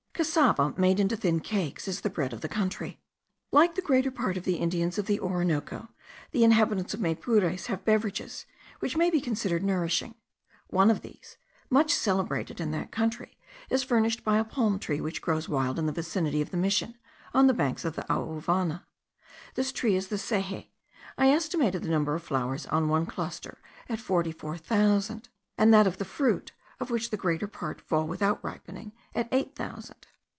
Cassava, made into thin cakes, is the bread of the country. Like the greater part of the Indians of the Orinoco, the inhabitants of Maypures have beverages which may be considered nourishing; one of these, much celebrated in that country, is furnished by a palm tree which grows wild in the vicinity of the mission on the banks of the Auvana. This tree is the seje: I estimated the number of flowers on one cluster at forty four thousand; and that of the fruit, of which the greater part fall without ripening, at eight thousand.